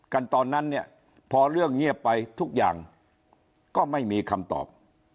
ตอนนั้นเนี่ยพอเรื่องเงียบไปทุกอย่างก็ไม่มีคำตอบ